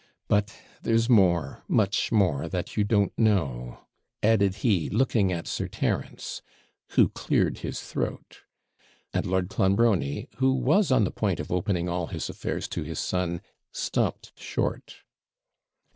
But there's more, much more, that you don't know,' added he, looking at Sir Terence, who cleared his throat; and Lord Clonbrony, who was on the point of opening all his affairs to his son, stopped short.